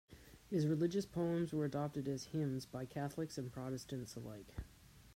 His religious poems were adopted as hymns by Catholics and Protestants alike.